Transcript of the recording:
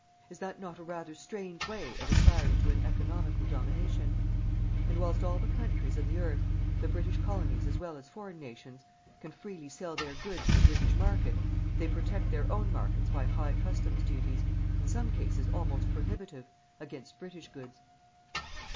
Is that not a rather strange way of aspiring to an economical domination! And whilst all the countries of the earth, the British colonies as well as foreign nations, can freely sell their goods in the British market, they protect their own markets by high customs duties in some cases almost prohibitive against British goods.